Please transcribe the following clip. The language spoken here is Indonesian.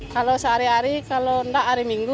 kalau sehari hari kalau enggak hari minggu